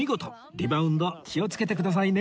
リバウンド気をつけてくださいね